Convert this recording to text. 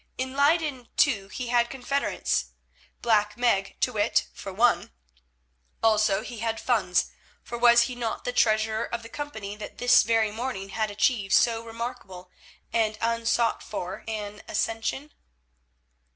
In Leyden, too, he had confederates—Black Meg to wit, for one; also he had funds, for was he not the treasurer of the company that this very morning had achieved so remarkable and unsought for an ascension?